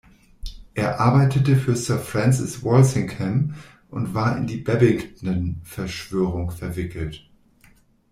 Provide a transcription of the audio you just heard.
Er arbeitete für Sir Francis Walsingham und war in die Babington-Verschwörung verwickelt.